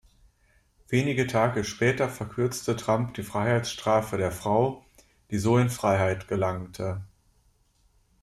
Wenige Tage später verkürzte Trump die Freiheitsstrafe der Frau, die so in Freiheit gelangte.